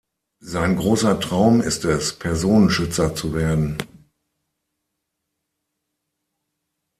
Sein großer Traum ist es, Personenschützer zu werden.